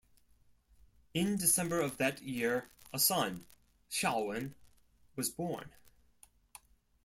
In December of that year, a son, Hsiao-wen was born.